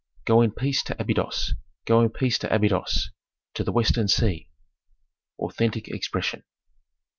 _ "Go in peace to Abydos! Go in peace to Abydos, to the western sea." Authentic expression.